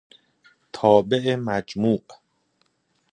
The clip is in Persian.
تابع مجموع